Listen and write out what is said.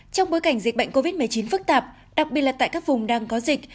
trong bối cảnh dịch bệnh covid một mươi chín phức tạp đặc biệt là tại các vùng đang có dịch